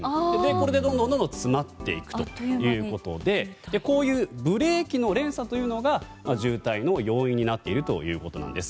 これで、どんどん詰まっていくということでこういうブレーキの連鎖というのが渋滞の要因になっているということなんです。